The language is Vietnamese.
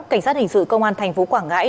cảnh sát hình sự công an thành phố quảng ngãi